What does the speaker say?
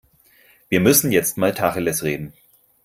Wir müssen jetzt mal Tacheles reden.